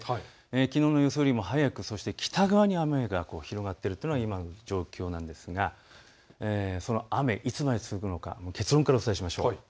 きのうの予想よりも早く、そして北側に雨が広がっているという状況なんですがその雨、いつまで続くのか結論からお伝えしましょう。